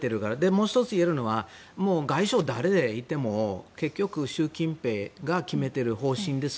もう１つ言えるのは外相、誰でも結局習近平が決めてる方針です